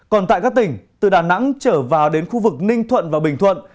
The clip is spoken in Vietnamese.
còn tại các tỉnh từ đà nẵng trở vào đến khu vực ninh thuận và bình thuận